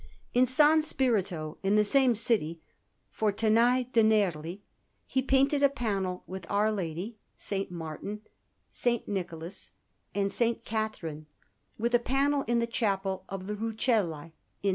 In S. Spirito in the same city, for Tanai de' Nerli, he painted a panel with Our Lady, S. Martin, S. Nicholas, and S. Catherine; with a panel in the Chapel of the Rucellai in S.